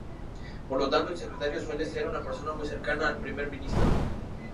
Por lo tanto, el Secretario suele ser una persona muy cercana al Primer Ministro.